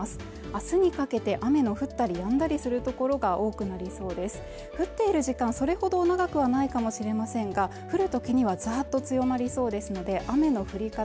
明日にかけて雨の降ったりやんだりする所が多くなりそうですが、降っている時間はそれほど長くはないかもしれませんが降るときにはざっと強まりそうですので雨の降り方